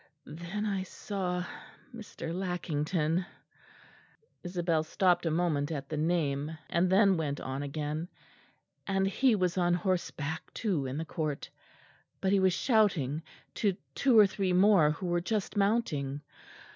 "Then I saw Mr. Lackington" Isabel stopped a moment at the name, and then went on again "and he was on horseback too in the court; but he was shouting to two or three more who were just mounting.